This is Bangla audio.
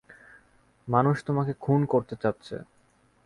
মানুষ তোমাকে খুন করতে চাচ্ছে।